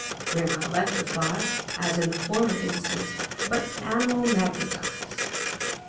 We are not electrified, as in the former instance, but animal magnetised.